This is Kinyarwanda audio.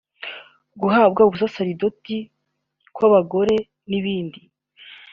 uguhabwa ubusaserdoti kw’abagore n’ibindi)